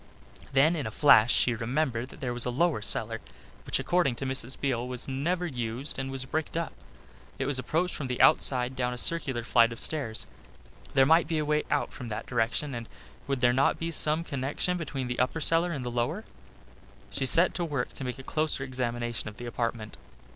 Then in a flash she remembered that there was a lower cellar, which according to Mrs. Beale was never used and was bricked up. It was approached from the outside, down a circular flight of stairs. There might be a way out from that direction and would there not be some connection between the upper cellar and the lower! She set to work to make a closer examination of the apartment.